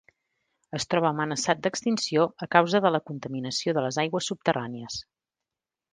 Es troba amenaçat d'extinció a causa de la contaminació de les aigües subterrànies.